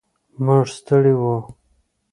موږ ستړي و.